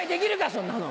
そんなの！